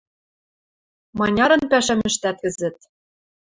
Манярын пӓшӓм ӹштӓт кӹзӹт?